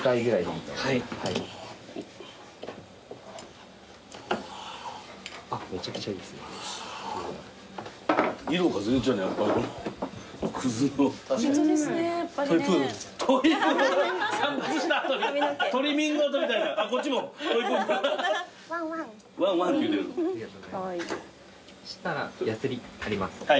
したらやすり入ります。